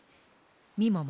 みもも